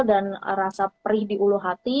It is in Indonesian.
dan rasa perih di ulu hati